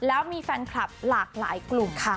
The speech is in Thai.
แล้วมีแฟนคลับหลากหลายกลุ่มค่ะ